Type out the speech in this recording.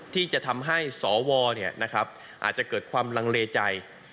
ที่จะทำให้สวอาจจะเกิดความลังเลใจ